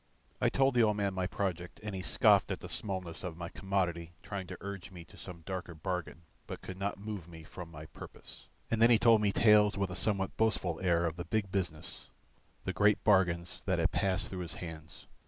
I told the old man my project, and he scoffed at the smallness of my commodity trying to urge me to some darker bargain, but could not move me from my purpose. And then he told me tales with a somewhat boastful air of the big business, the great bargains that had passed through his hands.